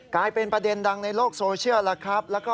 กลายเป็นประเด็นดังในโลกโซเชียลแล้วครับ